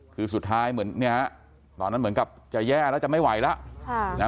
คือสุดท้ายเหมือนกับจะแย่แล้วจะไม่ไหวแล้ว